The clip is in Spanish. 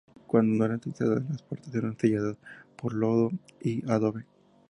Cuando no eran utilizadas, las puertas eran selladas con lodo y adobe.